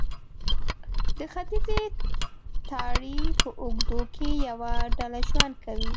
د ختیځې تراړې په اوږدو کې یوه ډله ژوند کوي.